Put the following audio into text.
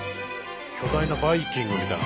巨大なバイキングみたいな。